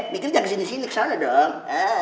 mikir jangan kesini sini kesana dong